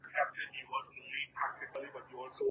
که زده کوونکی ناروغ وي نو تمرکز نسي کولای.